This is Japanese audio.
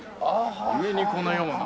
上にこのような。